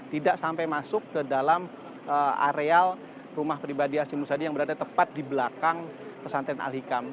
tidak sampai masuk ke dalam areal rumah pribadi hashim musadi yang berada tepat di belakang pesantren al hikam